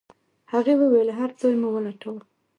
هغې وويل هر ځای مو ولټاوه.